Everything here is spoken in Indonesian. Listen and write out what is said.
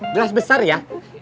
gelas besar ya